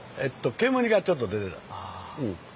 煙がちょっと出ていました。